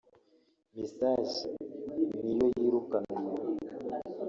mesaje se niyo yirukana umuntu